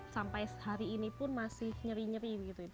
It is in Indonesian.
sampai hari ini pun masih nyeri nyeri gitu